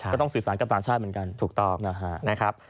ก็ต้องสื่อสารกับต่างชาติเหมือนกัน